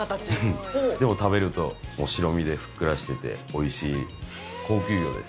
でも食べると白身でふっくらしてておいしい高級魚です。